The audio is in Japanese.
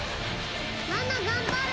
ママ頑張れ。